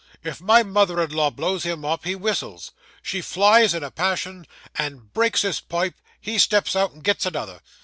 If my mother in law blows him up, he whistles. She flies in a passion, and breaks his pipe; he steps out, and gets another.